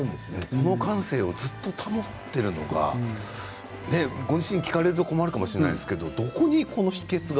この感性をずっと保っているのがご自身、聞かれて困るかもしれませんけれどもどこにその秘けつが。